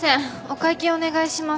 お会計お願いします。